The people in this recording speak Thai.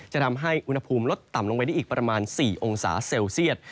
จะทำให้อุณหภูมิลดต่ำลงไปได้อีกประมาณ๔องศาเซลเซียต